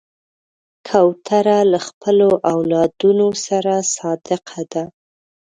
کوتره له خپلو اولادونو سره صادقه ده.